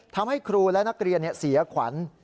ทำให้ครูและนักเรียนเสียขวัญ